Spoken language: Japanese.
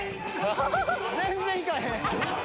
全然行かへん。